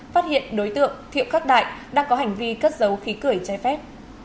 phát hiện đối tượng thiệu khắc đại đang có hành vi cất giấu khí cười trái phép